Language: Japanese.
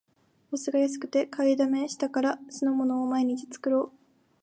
お酢が安くて買いだめしたから、酢の物を毎日作ろう